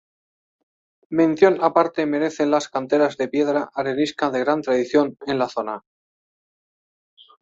Mención aparte merecen las canteras de piedra arenisca de gran tradición en la zona.